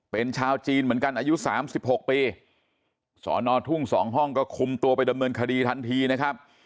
เป็นชาวจีนเหมือนกันอายุ๓๖ปีสอนอทุ่ง๒ห้องก็คุมตัวไปดำเนินคดีทันทีนะครับ